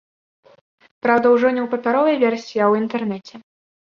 Праўда, ужо не ў папяровай версіі, а ў інтэрнэце.